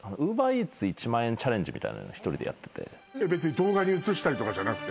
動画に映したりとかじゃなくて？